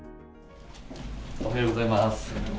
おはようございます。